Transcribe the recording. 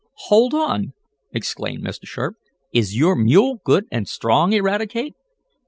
"Hold on!" exclaimed Mr. Sharp. "Is your mule good and strong, Eradicate?"